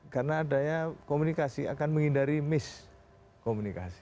karena adanya komunikasi akan menghindari miskomunikasi